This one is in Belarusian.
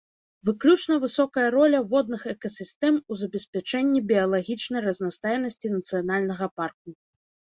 Выключна высокая роля водных экасістэм у забеспячэнні біялагічнай разнастайнасці нацыянальнага парку.